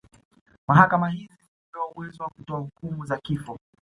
Mahakama hizi zilipewa uwezo wa kutoa hukumu za kifo